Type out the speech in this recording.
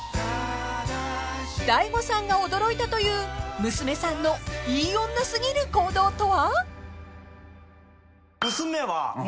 ［大悟さんが驚いたという娘さんのいい女過ぎる行動とは？］